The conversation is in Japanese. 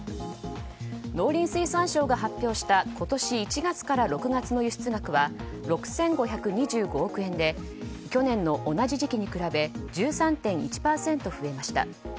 農林水産省が発表した今年１月から６月の輸出額は６５２５億円で去年の同じ時期に比べ１３．１％増えました。